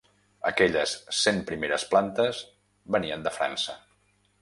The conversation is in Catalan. Aquelles cent primeres plantes venien de França.